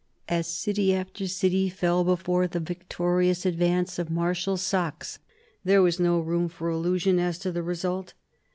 As city after city fell before the victorious advance of Marshal Saxe, there was no room for illusion as to the result.